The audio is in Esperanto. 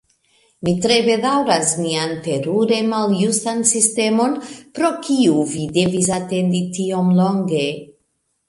Mi tre bedaŭras nian terure maljustan sistemon, pro kiu vi devis atendi tiom longe!